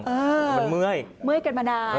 มันเมื่อย